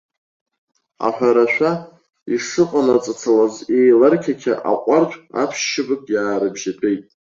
Аҳәарашәа, ишыҟанаҵалацыз еиларқьақьа аҟәардә аԥшьшьапык иаарыбжьатәеит.